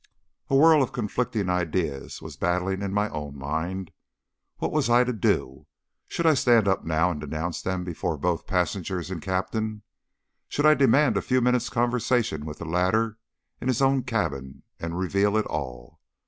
A whirl of conflicting ideas was battling in my own mind. What was I to do? Should I stand up now and denounce them before both passengers and Captain? Should I demand a few minutes' conversation with the latter in his own cabin, and reveal it all?